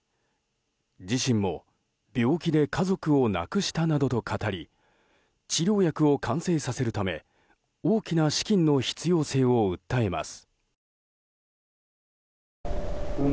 自身も病気で家族を亡くしたなどと語り治療薬を完成させるため大きな資金の必要性を訴えます。